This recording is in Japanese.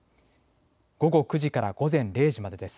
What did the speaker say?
午後９時から午前０時までです。